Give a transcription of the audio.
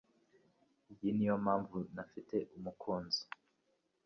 Iyi niyo mpamvu ntafite umukunzi.